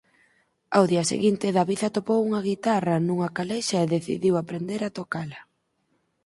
Ao día seguinte David atopou unha guitarra nunha calexa e decidiu aprender a tocala.